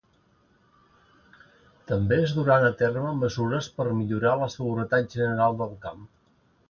També es duran a terme mesures per millorar la seguretat general del camp.